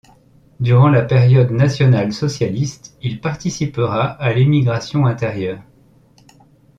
Durant la période nationale-socialiste, il participera à l'émigration intérieure.